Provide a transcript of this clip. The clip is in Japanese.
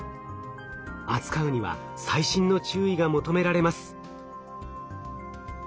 扱うには細心の注意が求められます。